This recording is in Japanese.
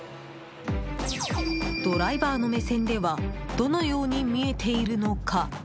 ドライバーの目線ではどのように見えているのか？